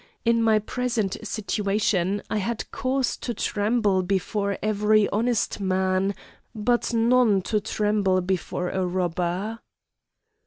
In my present situation, I had cause to tremble before every honest man, but none to tremble before a robber.